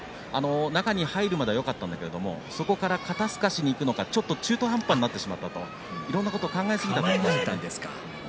中に入るまではよかったんだけれどもそこから肩すかしにいくのかちょっと中途半端になってしまったいろんなことを考えすぎたと話していました。